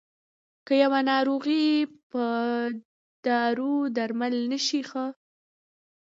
که يوه ناروغي په دارو درمل نه شي ښه.